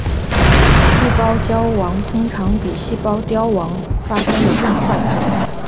细胞焦亡通常比细胞凋亡发生的更快。